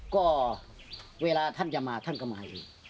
ก็เวลาท่านจะมาท่านก็มาเอง